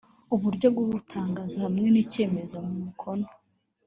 uburyo bwo gutangaza hamwe n icyemeza mukono